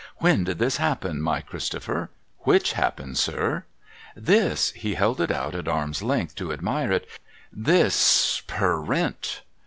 When did this happen, my Christopher ?'' Which happen, sir ?'' This,' he held it out at arm's length to admire it, —' this Per rint.'